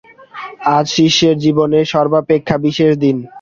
আজ শিষ্যের জীবনে সর্বাপেক্ষা বিশেষ দিন।